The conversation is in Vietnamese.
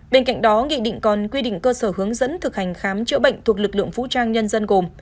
bên cạnh đó nghị định còn quy định cơ sở hướng dẫn thực hành khám chữa bệnh thuộc lực lượng vũ trang nhân dân gồm